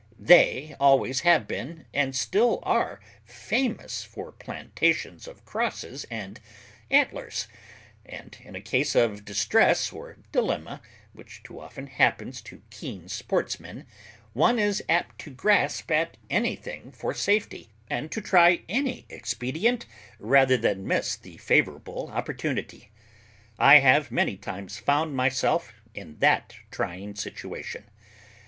They always have been, and still are, famous for plantations of crosses and antlers; and in a case of distress or dilemma, which too often happens to keen sportsmen, one is apt to grasp at anything for safety, and to try any expedient rather than miss the favourable opportunity. I have many times found myself in that trying situation.